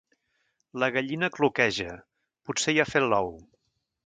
La gallina cloqueja: potser ja ha fet l'ou.